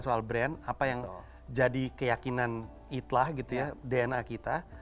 pastikan soal brand apa yang jadi keyakinan it lah gitu ya dna kita